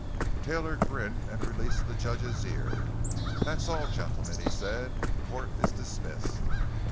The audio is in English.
Taylor grinned and released the judge's ear. "That's all, gentlemen," he said; "court is dismissed!"